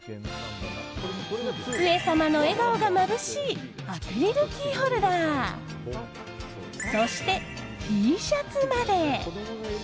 上様の笑顔がまぶしいアクリルキーホルダーそして、Ｔシャツまで。